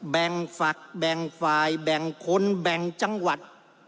ฝักแบ่งฝ่ายแบ่งคนแบ่งจังหวัด